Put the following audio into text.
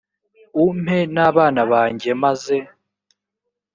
umpe n abana banjye maze